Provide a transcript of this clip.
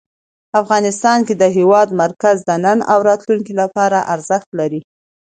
افغانستان کې د هېواد مرکز د نن او راتلونکي لپاره ارزښت لري.